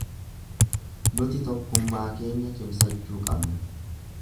Nuti tokkummaa keenya cimsachuu qabna.